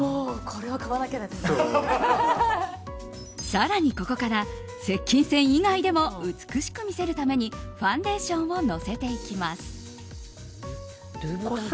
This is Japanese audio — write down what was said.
更にここから接近戦以外でも美しく見せるためにファンデーションをのせていきます。